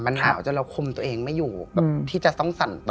ถึงเราคุมตัวเองไม่อยู่ที่จะสังสันตัว